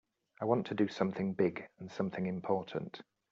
I want to do something big and something important.